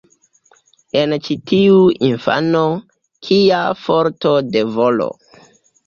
En ĉi tiu infano, kia forto de volo!